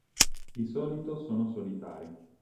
Di solito sono solitari.